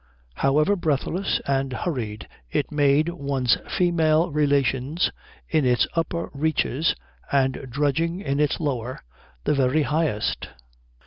However breathless and hurried it made one's female relations in its upper reaches, and drudging in its lower, the very highest?